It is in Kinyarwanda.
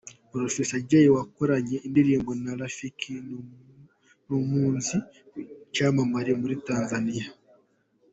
Professor Jay wakoranye indirimbo na Rafiki ni umunzi w'icyamamare muri Tanzania.